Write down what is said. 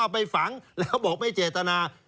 ไปฝังแล้วบอกไม่เจตนา